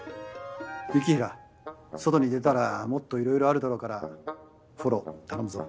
雪平外に出たらもっと色々あるだろうからフォロー頼むぞ。